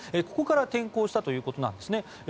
ここから転向したということなんですね。